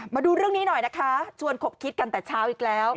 มาดูเรื่องนี้หน่อยนะคะชวนขบคิดกันแต่เช้าอีกแล้ว